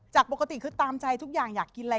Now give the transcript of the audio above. จากปกติคือตามใจทุกอย่างอยากกินอะไร